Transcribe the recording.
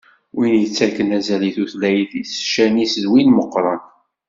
Win yettakken azal i tutlayt-is, ccan-is d win meqqren.